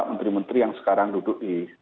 menteri menteri yang sekarang duduk di